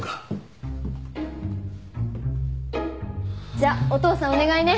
じゃお父さんお願いね。